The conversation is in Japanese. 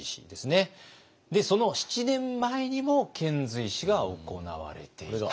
その７年前にも遣隋使が行われていた。